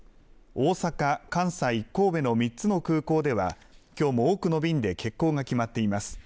大阪、関西、神戸の３つの空港ではきょうも多くの便で欠航が決まっています。